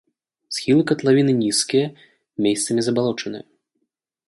Схілы катлавіны нізкія, месцамі забалочаныя.